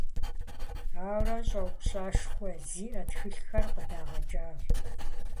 Ауэрэ щӏэупщӏэшхуэ зиӏэ тхылъхэр къыдагъэкӏащ.